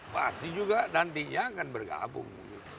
pasti juga nantinya akan bergabung